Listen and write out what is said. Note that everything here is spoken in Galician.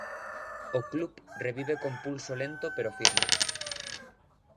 O club revive con pulso lento pero firme.